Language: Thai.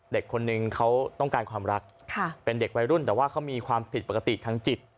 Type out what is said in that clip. เด็กคนนึงเขาต้องการความรักเป็นเด็กวัยรุ่นแต่ว่าเขามีความผิดปกติทางจิต